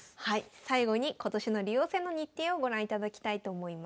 最後に今年の竜王戦の日程をご覧いただきたいと思います。